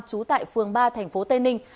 trú tại phường ba tp tây ninh